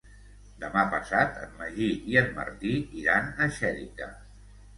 Demà passat en Magí i en Martí iran a Xèrica.